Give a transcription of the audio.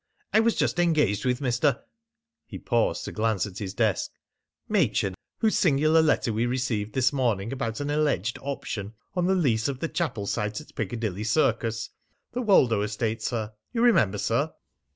"I was just engaged with Mr. " (he paused to glance at his desk) "Machin, whose singular letter we received this morning about an alleged option on the lease of the chapel site at Piccadilly Circus the Woldo estate, sir. You remember, sir?"